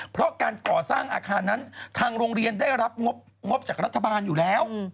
เพราะการก่อสร้างอาคารนั้นทางโรงเรียนได้รับงบจากรัฐบาลอยู่แล้ว